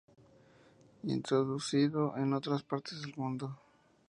Introducido en otras partes del mundo.